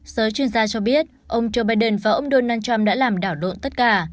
sớ chuyên gia cho biết ông joe biden và ông donald trump đã làm đảo lộn tất cả